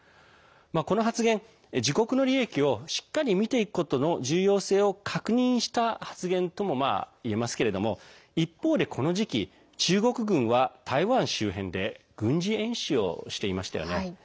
この発言、自国の利益をしっかり見ていくことの重要性を確認した発言ともいえますけれども一方で、この時期、中国軍は台湾周辺で軍事演習をしていましたよね。